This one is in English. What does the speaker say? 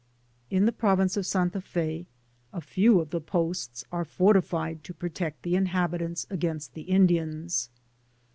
♦In the province of Santa Fe, a few of the posts are fortified to protect the inhabitants against the Indians.